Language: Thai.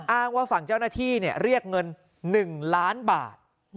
อ้างว่าฝั่งเจ้าหน้าที่เรียกเงิน๑ล้านบาท